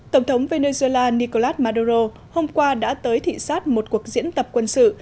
tổng thống venezuela nicolas maduro hôm qua đã tới thị xát một cuộc diễn tập quân sự